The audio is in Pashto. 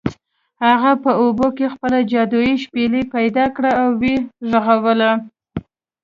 هغه په اوبو کې خپله جادويي شپیلۍ پیدا کړه او و یې غږوله.